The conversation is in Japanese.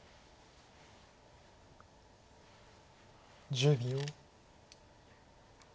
１０秒。